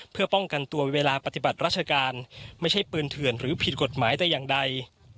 เพื่อป้องกันตัวเวลาปฏิบัติราชการไม่ใช่ปืนเถื่อนหรือผิดกฎหมายแต่อย่างใด